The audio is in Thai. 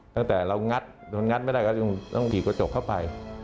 ตั้งแต่เรางัดโดนงัดไม่ได้ก็ต้องถีบกระจกเข้าไป